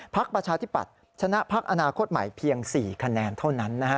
ประชาธิปัตย์ชนะพักอนาคตใหม่เพียง๔คะแนนเท่านั้นนะฮะ